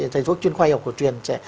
thầy thuốc chuyên khoa học cổ truyền sẽ